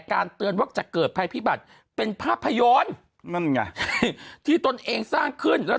เตือนว่าจะเกิดภัยพิบัติเป็นภาพยนตร์นั่นไงที่ตนเองสร้างขึ้นแล้ว